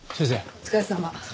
お疲れさま。